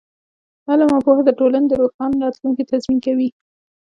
علم او پوهه د ټولنې د روښانه راتلونکي تضمین کوي.